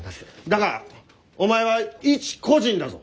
だがお前は一個人だぞ！